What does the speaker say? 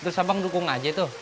terus abang dukung aja tuh